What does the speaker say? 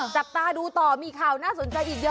จับตาดูต่อมีข่าวน่าสนใจอีกเยอะ